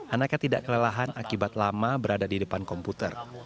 anaknya tidak kelelahan akibat lama berada di depan komputer